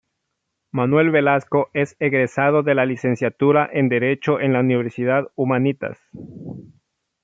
Manuel Velasco es egresado de la Licenciatura en Derecho en la Universidad Humanitas.